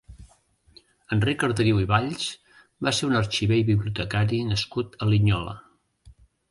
Enric Arderiu i Valls va ser un arxiver i bibliotecari nascut a Linyola.